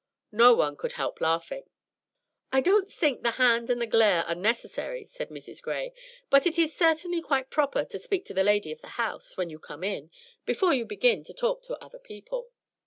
No one could help laughing. "I don't think the hand and the glare are necessary," said Mrs. Gray; "but it is certainly quite proper to speak to the lady of the house, when you come in, before you begin to talk to other people."